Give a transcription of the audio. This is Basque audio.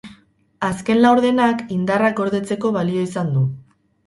Azken laurdenak indarrak gordetzeko balio izan du.